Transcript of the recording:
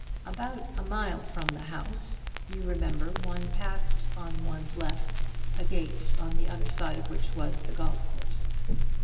"About a mile from the house, you remember, one passed on one's left a gate on the other side of which was the golf course.